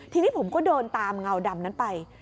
ทีนี้ผมก็เดินตามเงาดำนั้นไป